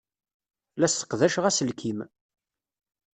La sseqdaceɣ aselkim.